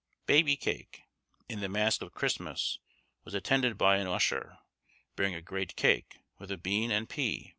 Baby cake, in the mask of 'Christmas,' was attended by an usher, bearing a great cake, with a bean and pea.